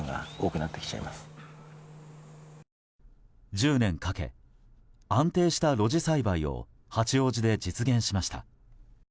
１０年かけ安定した露地栽培を八王子で実現しました。